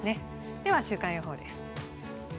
では週間予報です。